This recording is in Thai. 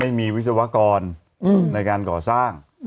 วิศวกรในการก่อสร้าง